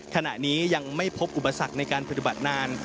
ขณะนี้ยังไม่พบอุปสรรคในการปฏิบัตินาน